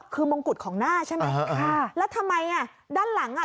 คือมงกุฎของหน้าใช่ไหมใช่ค่ะแล้วทำไมอ่ะด้านหลังอ่ะ